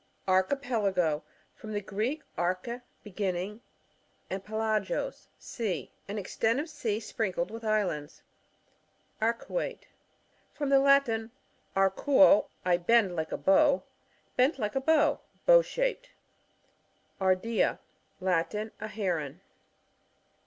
Archipelago. — From the Greek, arcAe, beginning, &nd pelagoSf sea; an extent of sea sprinkled with islands. Arcuate. — From the Latin, areuo, I bend like a bow. Bent like a bow; bow shaped. Ardea. — Latin. A Heron.